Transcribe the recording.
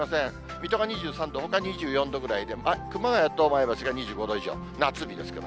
水戸が２３度、ほか２４度くらいで、熊谷と前橋が２５度以上、夏日ですけど。